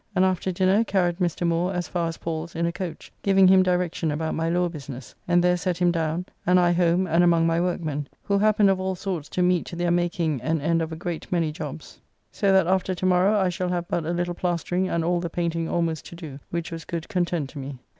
and after dinner carried Mr. Moore as far as Paul's in a coach, giving him direction about my law business, and there set him down, and I home and among my workmen, who happened of all sorts to meet to their making an end of a great many jobbs, so that after to morrow I shall have but a little plastering and all the painting almost to do, which was good content to me.